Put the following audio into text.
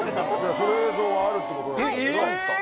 その映像があるってことなんだけど。